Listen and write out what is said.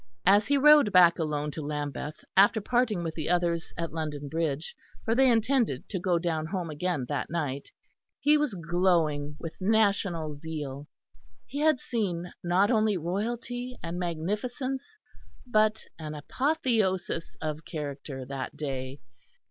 As he rode back alone to Lambeth, after parting with the others at London Bridge, for they intended to go down home again that night, he was glowing with national zeal. He had seen not only royalty and magnificence but an apotheosis of character that day.